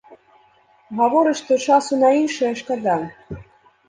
Гаворыць, што часу на іншае шкада.